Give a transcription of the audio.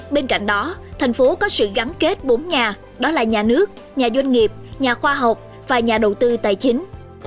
bên cạnh đó thành phố có sự gắn kết bốn nhà đó là nhà nước nhà doanh nghiệp nhà khoa học và nhà đầu tư tài chính